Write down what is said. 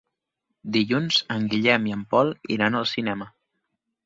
Dilluns en Guillem i en Pol iran al cinema.